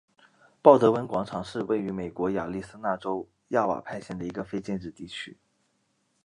鲍德温广场是位于美国亚利桑那州亚瓦派县的一个非建制地区。